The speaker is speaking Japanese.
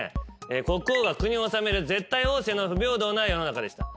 国王が国を治める絶対王政の不平等な世の中でした。